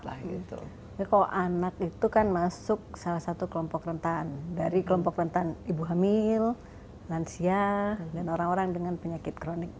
tapi kalau anak itu kan masuk salah satu kelompok rentan dari kelompok rentan ibu hamil lansia dan orang orang dengan penyakit kronik